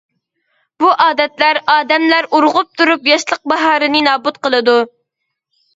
بۇ ئادەتلەر ئادەملەر ئۇرغۇپ تۇرۇپ ياشلىق باھارىنى نابۇت قىلىدۇ.